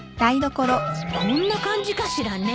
こんな感じかしらね？